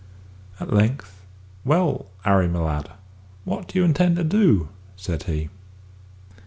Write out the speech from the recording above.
At length, "Well, Harry, my lad, what do you intend to do?" said he.